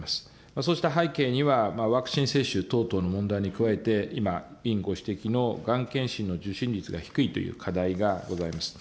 そうした背景には、ワクチン接種等々の問題に加えて、今、委員ご指摘のがん検診の受診率が低いという課題がございます。